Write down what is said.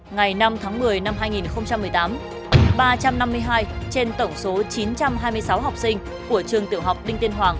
ngày năm tháng một mươi năm hai nghìn một mươi tám ba trăm năm mươi hai trên tổng số chín trăm hai mươi sáu học sinh của trường tiểu học đinh tiên hoàng